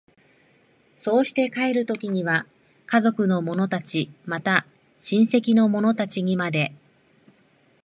そうして帰る時には家族の者たち、また親戚の者たちにまで、